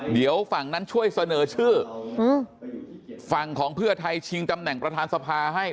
เดี๋ยวฝั่งนั้นช่วยเสนอชื่อฝั่งของเพื่อไทยชิงตำแหน่งประธานสภาให้